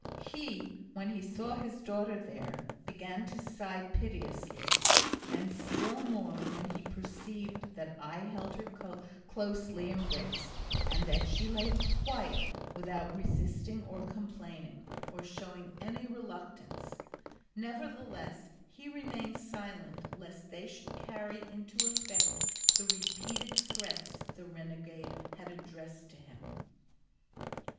He, when he saw his daughter there, began to sigh piteously, and still more when he perceived that I held her closely embraced and that she lay quiet without resisting or complaining, or showing any reluctance; nevertheless he remained silent lest they should carry into effect the repeated threats the renegade had addressed to him.